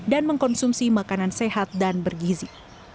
dan mengkonsumsi makanan sehat dan bergizi